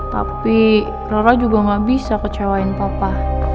tapi rora juga gak bisa kecewain papa